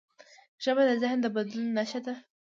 ژبه د ذهن د بدلون نښه ده.